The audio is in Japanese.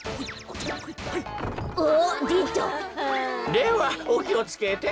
ではおきをつけて。